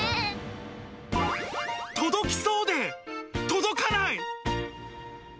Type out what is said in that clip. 届きそうで届かない！